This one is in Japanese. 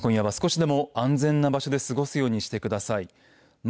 皆さん今夜は少しでも安全な場所で過ごすようにしてください。